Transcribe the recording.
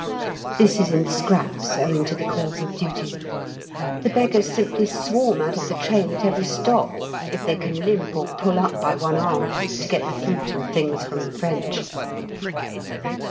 This is in scraps, owing to the calls of duty. The beggars simply swarm out of the train at every stop if they can limp or pull up by one arm to get the fruit and things from the French.